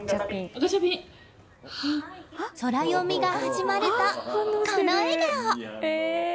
ソラよみが始まると、この笑顔！